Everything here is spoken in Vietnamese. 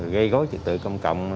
gây gối trật tự công cộng